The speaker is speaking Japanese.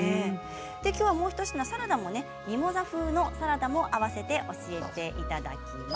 もう一品、今日はサラダミモザ風のサラダも合わせて教えていただきます。